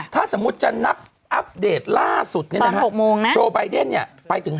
ถ้าสมมุติจะนับอัปเดตล่าสุดโจไบเดนเนี่ยไปถึง๕๐เลย